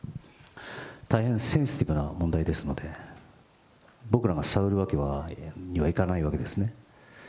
大変センシティブな問題ですので、僕らが探るわけにはいかないわけですね。